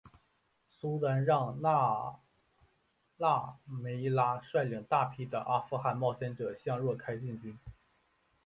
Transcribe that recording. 苏丹让那腊梅拉率领大批的阿富汗冒险者向若开进军。